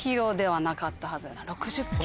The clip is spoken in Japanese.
６０ｋｇ。